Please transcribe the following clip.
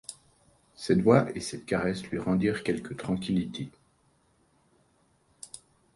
Cette voix et cette caresse lui rendirent quelque tranquillité.